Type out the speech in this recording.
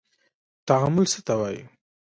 تعامل څه ته وايي.